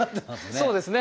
そうですね。